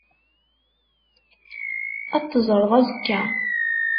Ad t-teẓreḍ azekka.